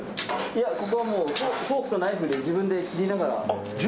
いや、ここはフォークとナイフで切りながら。